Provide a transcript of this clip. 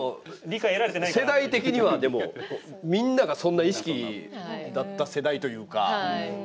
でも、世代的にはみんながそんな意識だった世代というか。